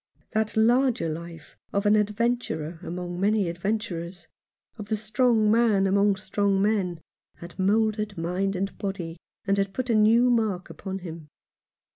That larger life of an adventurer among many adven turers, of the strong man among strong men, had moulded mind and body, and had put a new mark upon him.